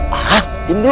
hah dim dulu